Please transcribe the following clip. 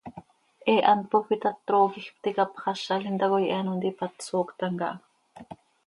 He hant pofii ta, trooquij pti capxázalim tacoi he ano ntipat sooctam caha.